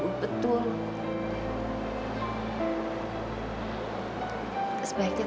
dia itu aja nahi galat stuff